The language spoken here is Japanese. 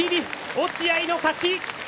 落合の勝ち。